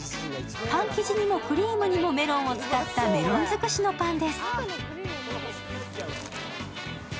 パン生地にもクリームにもメロンを使ったメロン尽くしのパンです。